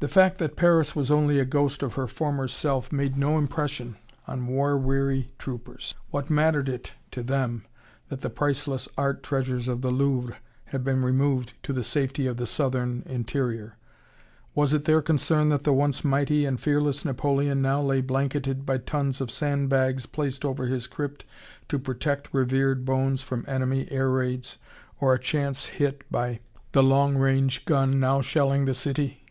The fact that Paris was only a ghost of her former self made no impression on war weary troopers. What mattered it, to them, that the priceless art treasures of the Louvre had been removed to the safety of the southern interior? Was it their concern that the once mighty and fearless Napoleon now lay blanketed by tons of sand bags placed over his crypt to protect revered bones from enemy air raids or a chance hit by the long range gun now shelling the city?